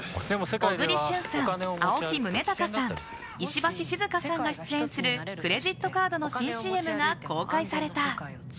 小栗旬さん、青木崇高さん石橋静河さんが出演するクレジットカードの新ＣＭが公開された。